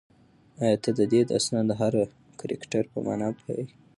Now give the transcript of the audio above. ایا ته د دې داستان د هر کرکټر په مانا پوهېږې؟